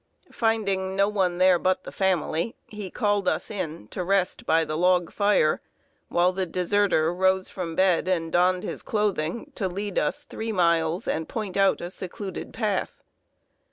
Finding no one there but the family, he called us in, to rest by the log fire, while the deserter rose from bed, and donned his clothing to lead us three miles and point out a secluded path.